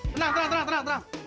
tenang tenang tenang tenang